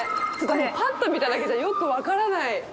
ちょっともうパッと見ただけじゃよく分からない。